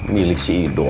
milik si ido